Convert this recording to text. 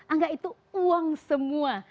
angka itu uang semua